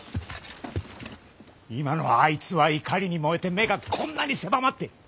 今のあいつは怒りに燃えて目がこんなに狭まっている。